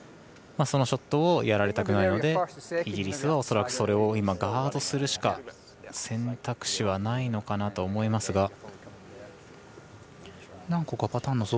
そのショットをやられたくないのでイギリスは恐らくそれをガードするしか選択肢はないのかなと思いますが。